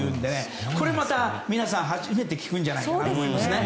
これまた皆さん初めて聞くんじゃないかなと思います。